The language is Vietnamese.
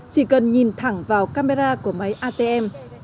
chỉ cần nhìn thẳng vào các cây atm